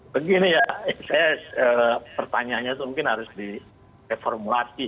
begini ya saya pertanyaannya itu mungkin harus direformulasi